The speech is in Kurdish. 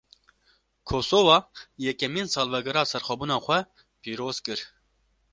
Kosowa, yekemîn salvegera serxwebûna xwe pîroz kir